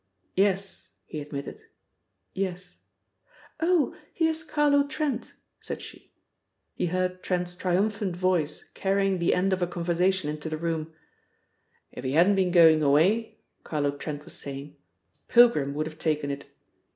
"Yes," he admitted. "Yes." "Oh! Here's Carlo Trent," said she. He heard Trent's triumphant voice carrying the end of a conversation into the room: "If he hadn't been going away," Carlo Trent was saying, "Pilgrim would have taken it.